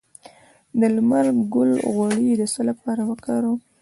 د لمر ګل غوړي د څه لپاره وکاروم؟